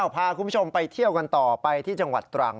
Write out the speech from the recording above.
พาคุณผู้ชมไปเที่ยวกันต่อไปที่จังหวัดตรัง